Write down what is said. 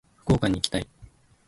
福岡に行きたい。